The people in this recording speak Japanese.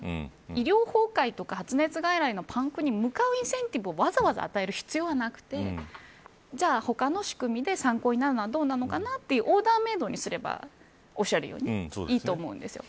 医療崩壊とか発熱外来に迎えるインセンティブを与える必要はなくて他の仕組みで参考になるのはどうなのかなとオーダーメードにすればおっしゃるようにいいと思うんですよ。